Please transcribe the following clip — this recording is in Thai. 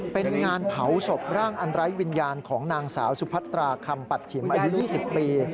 เป็นงานเผาศพร่างอันไร้วิญญาณของนางสาวสุพัตราคำปัดฉิมอายุ๒๐ปี